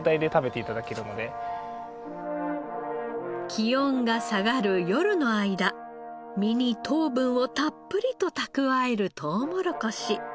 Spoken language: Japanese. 気温が下がる夜の間実に糖分をたっぷりと蓄えるとうもろこし。